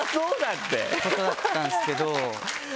ってことだったんですけど。